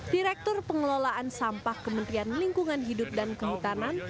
direktur pengelolaan sampah kementerian lingkungan hidup dan kehutanan